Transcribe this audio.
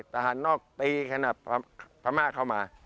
ทหารนอกตีขนาดพม่าเข้ามา